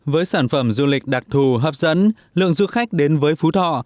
với sản phẩm du lịch đặc thù hấp dẫn lượng du khách đến với phú thọ